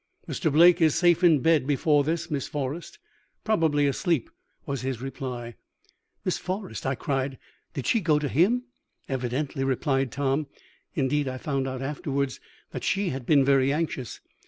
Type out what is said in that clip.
'" "'Mr. Blake is safe in bed before this, Miss Forrest probably asleep,' was his reply." "Miss Forrest!" I cried. "Did she go to him?" "Evidently," replied Tom. "Indeed, I found out afterwards that she had been very anxious.